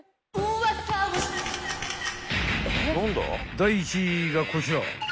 ［第１位がこちら］